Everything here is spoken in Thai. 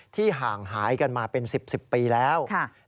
ห่างหายกันมาเป็น๑๐ปีแล้ว